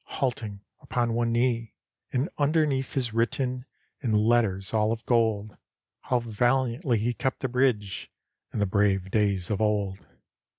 Halting upon one knee: And underneath is written, In letters all of gold, How valiantly he kept the bridge In the brave days of old.